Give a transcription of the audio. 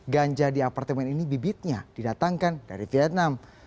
ganja di apartemen ini bibitnya didatangkan dari vietnam